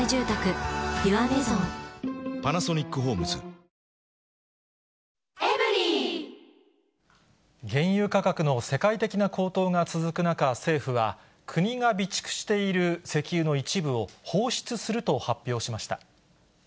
お客様から飛行機が恋しいと、原油価格の世界的な高騰が続く中、政府は国が備蓄している石油の一部を放出すると発表しました。